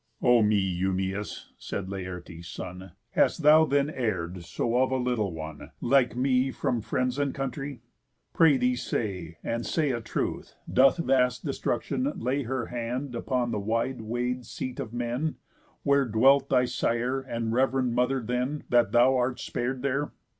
"O me, Eumæus," said Laertes' son, "Hast thou then err'd so of a little one, Like me, from friends and country? Pray thee say, And say a truth, doth vast Destruction lay Her hand upon the wide way'd seat of men, Where dwelt thy sire and rev'rend mother then, That thou art spar'd there?